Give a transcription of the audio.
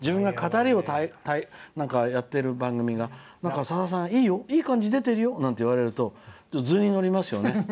自分が語りをやってる番組がさださん、いい感じ出てるよって言われると頭に乗りますよね。